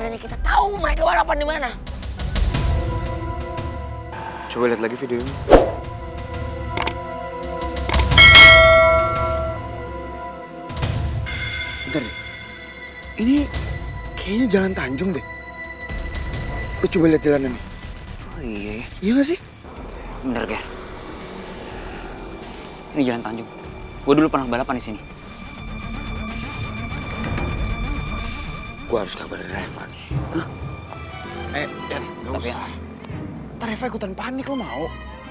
ntar reva ikutan panik lo mau